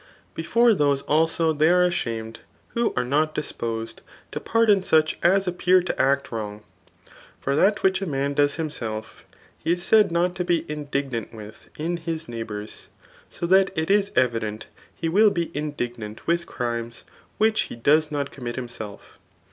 Before those also diey are ashamed ^o are not disposed to. pardon such as appear to act wropg J for that which a man does himself he is said not to be indignant with in his neighbours ; so that it is evi» dem he will be indignant with crimes which he does not commit himself.